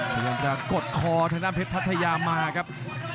พยายามจะกดคอทางด้านเพชรพัทยามาครับ